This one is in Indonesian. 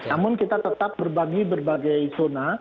namun kita tetap berbagi berbagai zona